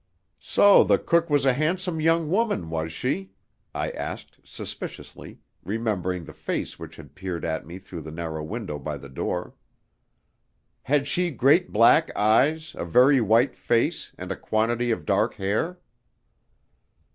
"So the cook was a handsome young woman, was she?" I asked, suspiciously, remembering the face which had peered at me through the narrow window by the door. "Had she great black eyes, a very white face, and a quantity of dark hair?"